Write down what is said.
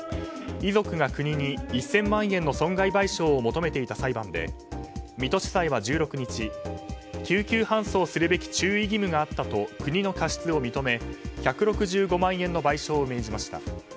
遺族が国に１０００万円の損害賠償を求めていた裁判で水戸地裁は１６日救急搬送するべき注意義務があったと国の過失を認め１６５万円の賠償を命じました。